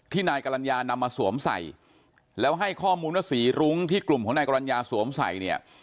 นายกรรณญานำมาสวมใส่แล้วให้ข้อมูลว่าสีรุ้งที่กลุ่มของนายกรรณญาสวมใส่เนี่ย